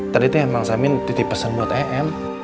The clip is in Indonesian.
tadi teh bang samin ditipesan buat em